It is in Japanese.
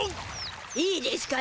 いいでしゅかな？